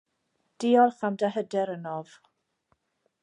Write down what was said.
Diolch am dy hyder ynof.